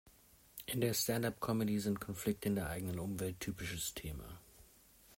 In der Stand-up-Comedy sind Konflikte in der eigenen Umwelt typisches Thema.